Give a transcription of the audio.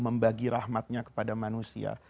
membagi rahmatnya kepada manusia